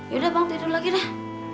yaudah bang tidur lagi dah